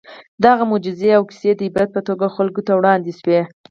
د هغه معجزې او کیسې د عبرت په توګه خلکو ته وړاندې شوي.